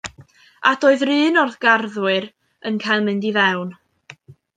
A doedd 'run o'r garddwyr yn cael mynd i fewn.